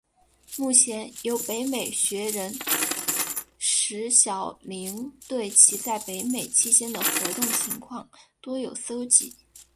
目前有北美学人石晓宁对其在北美期间的活动情况多有搜辑。